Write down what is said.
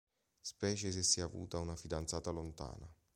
Specie se si è avuta una fidanzata lontana!